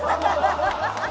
ハハハハ！